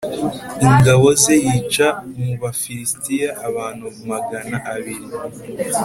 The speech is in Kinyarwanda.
ingabo ze yica mu Bafilisitiya abantu magana abiri